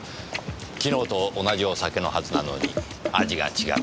昨日と同じお酒のはずなのに味が違った。